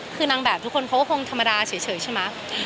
คือนางแบบทุกคนเขาก็คงธรรมดาเฉยใช่ไหม